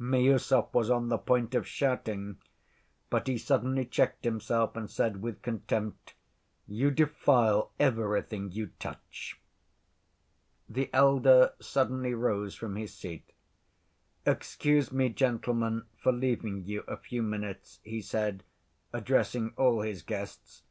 Miüsov was on the point of shouting, but he suddenly checked himself, and said with contempt, "You defile everything you touch." The elder suddenly rose from his seat. "Excuse me, gentlemen, for leaving you a few minutes," he said, addressing all his guests.